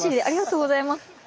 ありがとうございます。